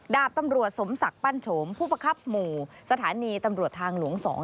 ดาบตำรวจสมศักดิ์ปั้นโฉมผู้ประคับหมู่สถานีตำรวจทางหลวง๒